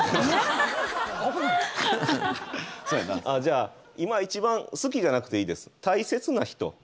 ああじゃあ今一番好きじゃなくていいです。